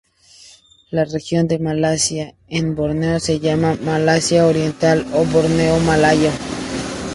La región de Malasia en Borneo se llama Malasia Oriental o Borneo malayo.